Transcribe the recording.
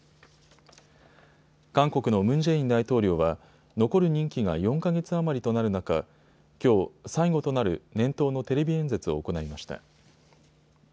韓国のムン・ジェイン大統領は残る任期が４か月余りとなる中、きょう、最後となる年頭のテレビ演説を行いました。